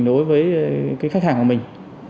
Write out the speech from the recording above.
đối với cái khách hàng của mình